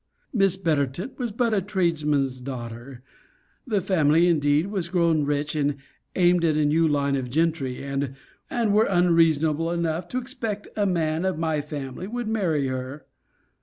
Miss Betterton was but a tradesman's daughter. The family, indeed, was grown rich, and aimed at a new line of gentry; and were unreasonable enough to expect a man of my family would marry her.